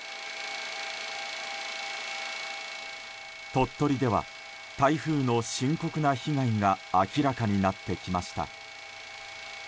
鳥取では台風の深刻な被害が明らかになってきました。